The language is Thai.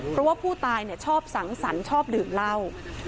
เพราะว่าผู้ตายชอบสังสรรค์ชอบดื่มเหล้า